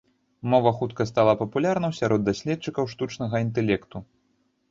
Мова хутка стала папулярнай сярод даследчыкаў штучнага інтэлекту.